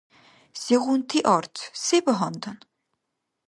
Сегъунти арц? Се багьандан?